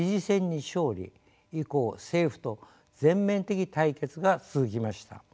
以降政府と全面的対決が続きました。